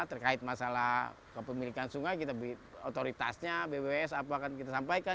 terkait masalah kepemilikan sungai kita otoritasnya bws apa akan kita sampaikan